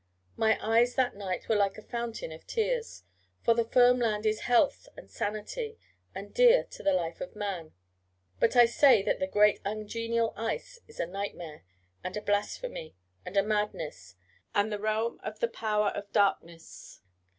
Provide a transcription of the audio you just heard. My eyes that night were like a fountain of tears. For the firm land is health and sanity, and dear to the life of man; but I say that the great ungenial ice is a nightmare, and a blasphemy, and a madness, and the realm of the Power of Darkness.